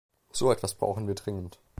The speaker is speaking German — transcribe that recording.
So etwas brauchen wir dringend.